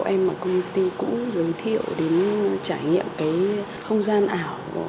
các em và công ty cũng giới thiệu trải nghiệm cái không gian ảo